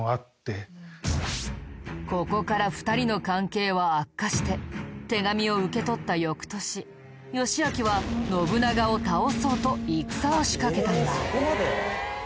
ここから２人の関係は悪化して手紙を受け取った翌年義昭は信長を倒そうと戦を仕掛けたんだ。